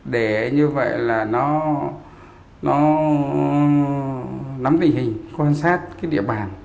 để như vậy là nó nắm tình hình quan sát cái địa bàn